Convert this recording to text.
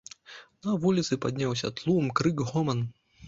На вуліцы падняўся тлум, крык, гоман.